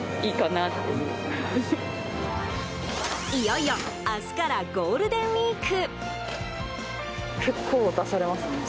いよいよ明日からゴールデンウィーク。